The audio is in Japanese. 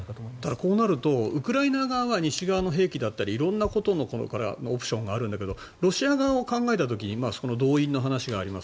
こうなるとウクライナ側は西側の兵器だったり色んなことのオプションがあるんだけどロシア側を考えた時動員の話があります